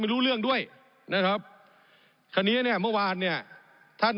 ผมอภิปรายเรื่องการขยายสมภาษณ์รถไฟฟ้าสายสีเขียวนะครับ